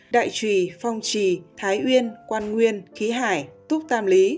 đại trùy phong trì thái uyên quan nguyên khí hải túc tam lý